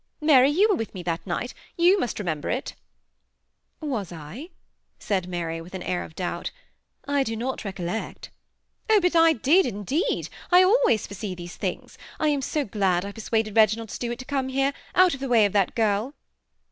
Mary, jou were with me that night ; you must remember it" " Was I ?" said Mary, with an air of doubt ;" I do not recollect "'^ Oh, but I did indeed ; I always foresee these things. I am so glad I persuaded Reginald Stuart to come here, out of the way of that girl.